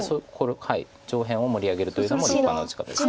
上辺を盛り上げるというのも立派な打ち方です。